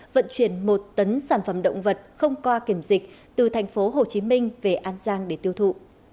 vận chuyển một tấn sản phẩm động vật không qua kiểm dịch từ thành phố hồ chí minh về an giang để tiêu thụ